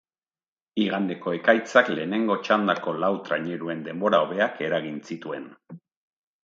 Igandeko ekaitzak lehenengo txandako lau traineruen denbora hobeak eragin zituen.